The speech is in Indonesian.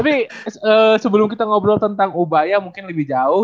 tapi sebelum kita ngobrol tentang ubaya mungkin lebih jauh